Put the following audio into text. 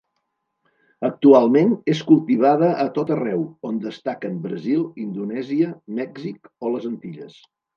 Actualment és cultivada a tot arreu, on destaquen Brasil, Indonèsia, Mèxic o les Antilles.